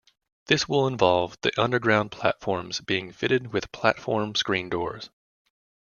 This will involve the underground platforms being fitted with platform screen doors.